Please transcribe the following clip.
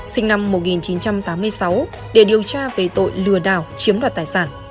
sinh năm một nghìn chín trăm tám mươi sáu để điều tra về tội lừa đảo chiếm đoạt tài sản